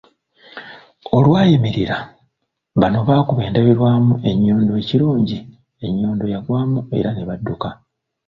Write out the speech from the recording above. Olwayimirira, bano baakuba endabirwamu ennyondo ekirungi ennyondo yagwamu era ne badduka.